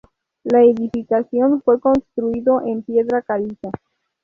La edificación fue construido en piedra caliza.